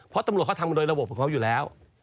เพราะตำรวจเขาทำโดยระบบของเขาอยู่แล้ว